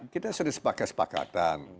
kita sudah ada sepakatan